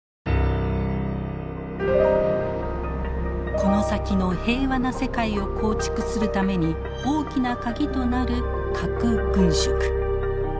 この先の平和な世界を構築するために大きな鍵となる核軍縮。